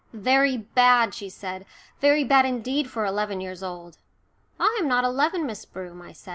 "Very bad," she said, "very bad indeed for eleven years old." "I am not eleven, Miss Broom," I said.